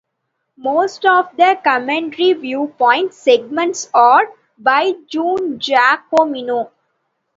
Most of the commentary viewpoint segments are by Juan Jacomino.